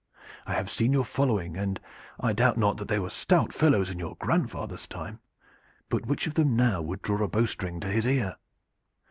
I have seen your following, and I doubt not that they were stout fellows in your grandfather's time; but which of them now would draw a bow string to his ear?